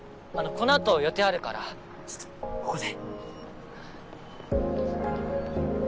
この後予定あるからちょっとここで。